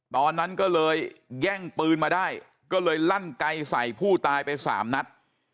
ตอนนั้นก็เลยแย่งปืนมาได้ก็เลยลั่นไกลใส่ผู้ตายไปสามนัด